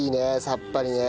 さっぱりね。